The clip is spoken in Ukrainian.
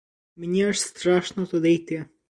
Мені аж страшно туди йти.